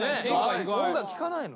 音楽聴かないの？